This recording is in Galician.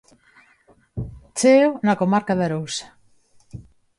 Cheo na comarca da Arousa.